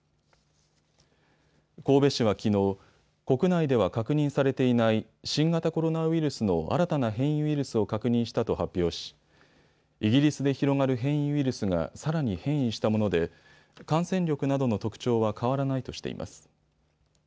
神戸市はきのう、国内では確認されていない新型コロナウイルスの新たな変異ウイルスを確認したと発表し、イギリスで広がる変異ウイルスがさらに変異したもので感染力などの特徴は変わらないとしています。